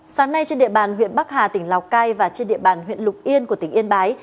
sáng nay trên địa bàn huyện bắc hà tỉnh lào cai và trên địa bàn huyện lục yên của tỉnh yên bái